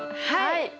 はい！